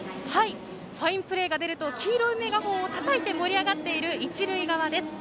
ファインプレーが出ると黄色いメガホンをたたいて盛り上がっている一塁側です。